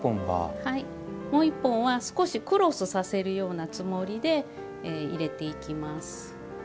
もう１本は少しクロスさせるようなつもりで入れていきます。